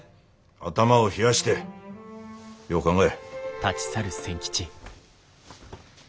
頭を冷やしてよう考ええ。